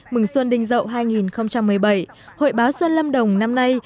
mừng xuân đình dậu hai nghìn một mươi bảy hội báo xuân lâm đồng năm nay